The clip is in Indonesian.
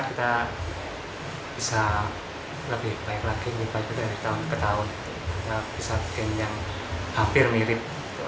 kita bisa lebih baik lagi dari tahun ke tahun kita bisa bikin yang hampir mirip